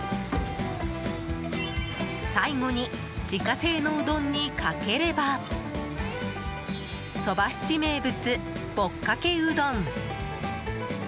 最後に自家製のうどんにかければそば七名物、ぼっかけうどん。